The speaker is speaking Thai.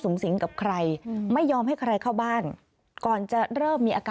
แต่หลังจากล้มป่วยกลับมาอยู่บ้านกับคุณยายนี่แหละ